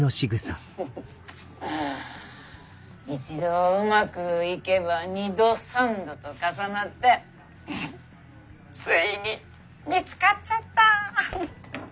一度うまくいけば二度三度と重なってついに見つかっちゃった。